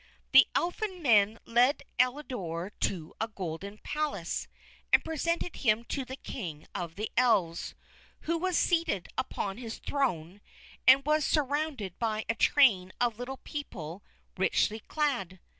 The Elfin Men led Elidore to a golden palace, and presented him to the King of the Elves, who was seated upon his throne and was surrounded by a train of little people richly clad.